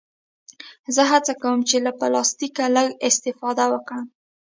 زه هڅه کوم چې له پلاستيکه لږ استفاده وکړم.